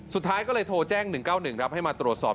สุดท้ายก็เลยโทรแจ้ง๑๙๑ครับให้มาตรวจสอบ